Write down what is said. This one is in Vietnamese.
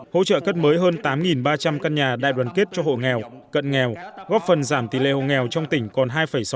hỗ trợ cất mới hơn tám ba trăm linh căn nhà đại đoàn kết cho hộ nghèo cận nghèo góp phần giảm tỷ lệ hộ nghèo trong tỉnh còn hai sáu mươi